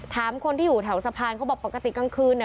ถามคนที่อยู่แถวสะพานเขาบอกปกติกลางคืน